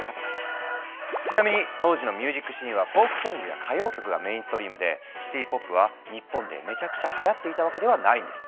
ちなみに当時のミュージックシーンはフォークソングや歌謡曲がメインストリームでシティ・ポップは日本でめちゃくちゃはやっていたわけではないんです。